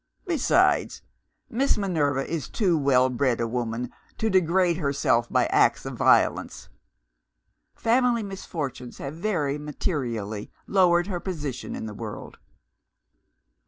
Besides, Miss Minerva is too well bred a woman to degrade herself by acts of violence. Family misfortunes have very materially lowered her position in the world."